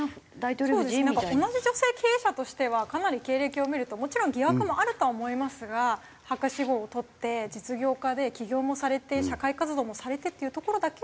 そうですねなんか同じ女性経営者としてはかなり経歴を見るともちろん疑惑もあると思いますが博士号を取って実業家で起業もされて社会活動もされてっていうところだけを見ると。